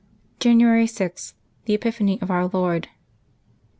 January 6.— THE EPIPHANY OF OUR LORD.